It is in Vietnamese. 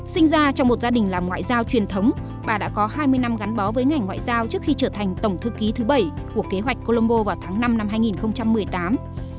sinh ra trong một gia đình làm ngoại giao truyền thống bà đã có hai mươi năm gắn bó với ngành ngoại giao trước khi trở thành tổng thư ký thứ bảy của kế hoạch colombo vào tháng năm năm hai nghìn một mươi tám